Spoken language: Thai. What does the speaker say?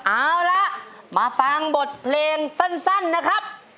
เอาละมาฟังบทเพลงสั้นนะครับ